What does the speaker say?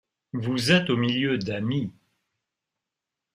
Vous êtes au milieu d’amis..